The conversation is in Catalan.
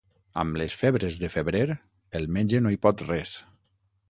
Amb les febres de febrer el metge no hi pot res.